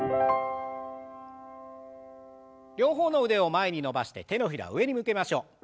両方の腕を前に伸ばして手のひらを上に向けましょう。